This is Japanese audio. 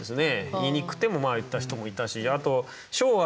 言いにくくてもまあ言った人もいたし。